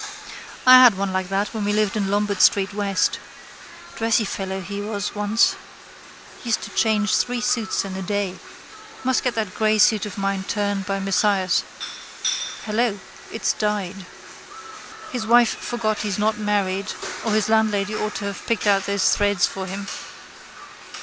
I had one like that when we lived in Lombard street west. Dressy fellow he was once. Used to change three suits in the day. Must get that grey suit of mine turned by Mesias. Hello. It's dyed. His wife I forgot he's not married or his landlady ought to have picked out those threads for him.